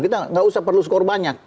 kita nggak usah perlu skor banyak